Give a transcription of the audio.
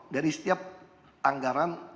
dari setiap anggaran